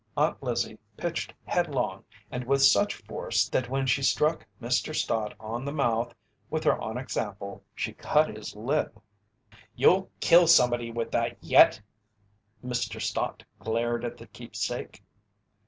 Aunt Lizzie pitched headlong and with such force that when she struck Mr. Stott on the mouth with her onyx apple she cut his lip. "You'll kill somebody with that yet!" Mr. Stott glared at the keepsake.